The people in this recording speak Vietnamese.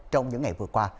trong những ngày vừa qua